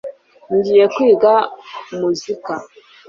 ngiye kwiga umuzika